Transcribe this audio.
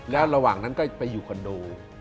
แล้วระหว่างนั้นก็ไปอยู่คอนโด